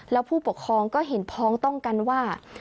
แล้วผู้ปกครองก็เห็นพ้องต้องกันว่า